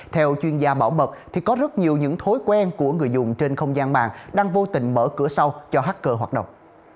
theo chuyên gia bảo mật thì có rất nhiều những thói quen của người dùng trên không gian mạng đang vô tình mở cửa sau cho hacker hoạt động